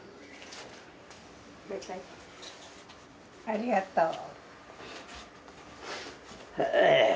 ありがとう。